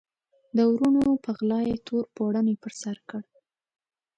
د وروڼو په غلا یې تور پوړنی پر سر کړ.